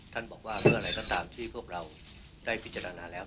บอกว่าเมื่อไหร่ก็ตามที่พวกเราได้พิจารณาแล้ว